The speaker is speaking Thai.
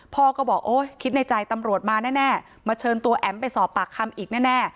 พ่อก็บอกโอ๊ยคิดในใจตำรวจมาแน่มาเชิญตัวแอ๋มไปสอบปากคำอีกแน่